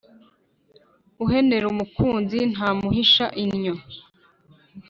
uhenera umukunzi ntamuhisha innyo